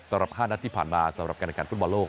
สำหรับ๕นัดที่ผ่านมาสำหรับการแข่งขันฟุตบอลโลก